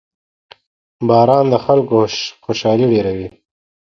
• باران د خلکو خوشحالي ډېروي.